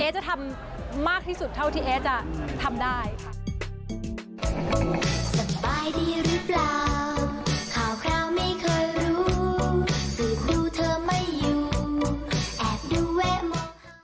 จะทำมากที่สุดเท่าที่เอ๊จะทำได้ค่ะ